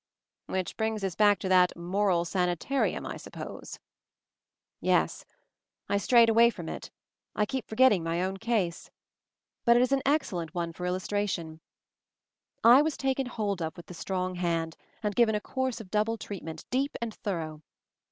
"Which brings us back to that 'moral sani tarium' I suppose?" "Yes. I strayed away from it. I keep forgetting my own case. But it is an excel 258 MOVING THE MOUNTAIN lent one for illustration. I was taken hold of with the strong hand, and given a course of double treatment, deep and thorough.